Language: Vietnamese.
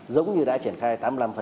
giống như đã triển khai tám mươi năm